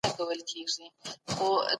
بيا وګورئ چې څه کيږي.